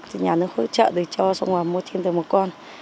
thì nhà nó hỗ trợ được cho xong rồi mua thêm được một con